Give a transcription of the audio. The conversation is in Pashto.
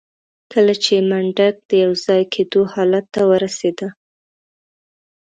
کله چې منډک د يوځای کېدو حالت ته ورسېده.